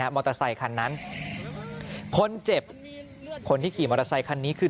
มอเตอร์ไซคันนั้นคนเจ็บคนที่ขี่มอเตอร์ไซคันนี้คือ